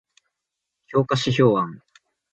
評価指標案